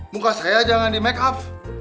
muka saya jangan di makeup